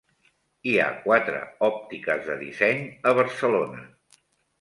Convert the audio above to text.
Hi ha quatre òptiques de disseny a Barcelona.